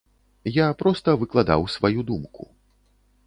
Я проста выкладаў сваю думку.